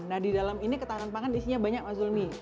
nah di dalam ini ketahanan pangan isinya banyak mas zulni